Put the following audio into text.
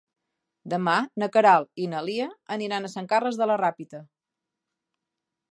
Demà na Queralt i na Lia aniran a Sant Carles de la Ràpita.